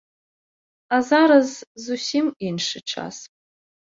А зараз зусім іншы час.